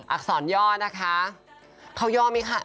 อักษรย่อนะคะเขาย่อไหมคะ